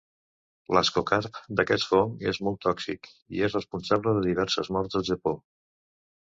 L'ascocarp d'aquest fong és molt tòxic, i és responsable de diverses morts al Japó.